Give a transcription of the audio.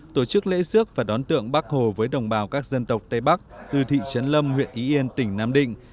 tổ chức lễ sước và đón tượng bắc hồ với đồng bào các dân tộc tây bắc từ thị trấn lâm huyện y yên tỉnh nam định